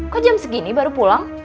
kok jam segini baru pulang